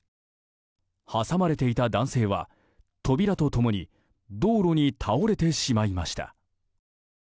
挟まれていた男性は扉と共に道路に倒れてしまいました。